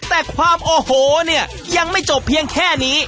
แต่ความโอ้โหเนี่ยยังไม่จบเพียงแค่นี้